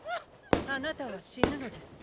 ・あなたは死ぬのです。